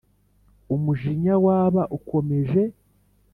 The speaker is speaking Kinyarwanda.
umujinya waba ukomeje